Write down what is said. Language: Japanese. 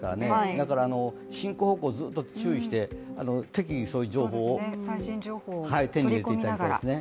だから進行方向、ずっと注意して適宜最新情報を手に入れていただきたいですね